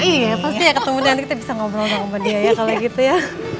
iya pasti ya ketemu nanti kita bisa ngobrol sama dia ya kalau gitu ya